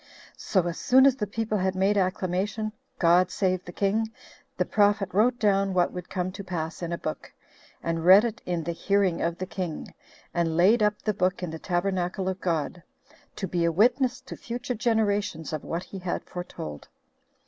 So as soon as the people had made acclamation, God save the king, the prophet wrote down what would come to pass in a book, and read it in the hearing of the king, and laid up the book in the tabernacle of God, to be a witness to future generations of what he had foretold.